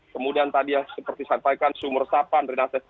kemudian tadi yang seperti sampaikan sumber resapan